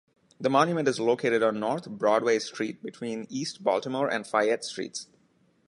The monument is located on North Broadway Street between East Baltimore and Fayette Streets.